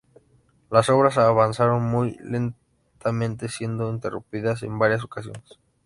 Las obras avanzaron muy lentamente, siendo interrumpidas en varias ocasiones.